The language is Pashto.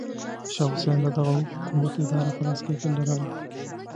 شاه حسین د دغه حکومت اداره په لاس کې لرله.